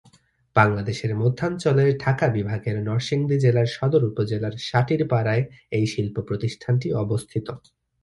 বাংলাদেশের মধ্যাঞ্চলের ঢাকা বিভাগের নরসিংদী জেলার সদর উপজেলার সাটিরপাড়ায় এই শিল্প প্রতিষ্ঠানটি অবস্থিত।